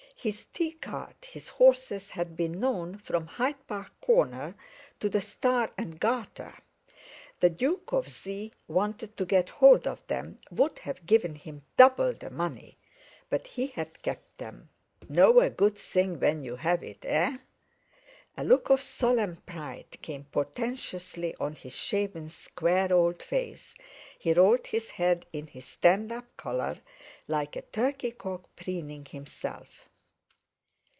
His T cart, his horses had been known from Hyde Park Corner to the Star and Garter. The Duke of Z.... wanted to get hold of them, would have given him double the money, but he had kept them; know a good thing when you have it, eh? A look of solemn pride came portentously on his shaven square old face, he rolled his head in his stand up collar, like a turkey cock preening himself.